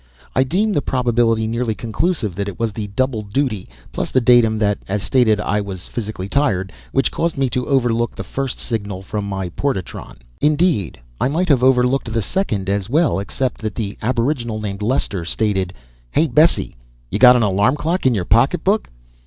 I deem the probability nearly conclusive that it was the double duty, plus the datum that, as stated, "I" was physically tired, which caused me to overlook the first signal from my portatron. Indeed, I might have overlooked the second as well except that the aboriginal named Lester stated: "Hey, Bessie. Ya got an alarm clock in ya pocketbook?"